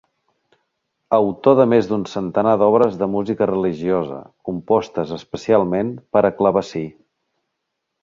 Autor de més d'un centenar d'obres de música religiosa compostes especialment per a clavecí.